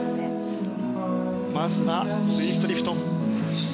まずは、ツイストリフト。